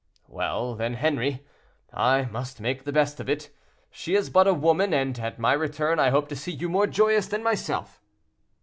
"Well, then, Henri, I must make the best of it. She is but a woman, and at my return I hope to see you more joyous than myself."